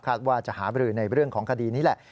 ว่าจะหาบรือในเรื่องของคดีนี้แหละ